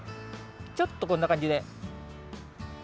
ちょっとこんなかんじで。